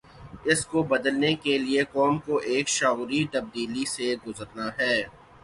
اس کو بدلنے کے لیے قوم کو ایک شعوری تبدیلی سے گزرنا ہے۔